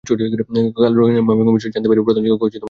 খালা রেহানা বেগম বিষয়টি জানতে পেরে প্রধান শিক্ষক সেলিনাকে ফোন করেন।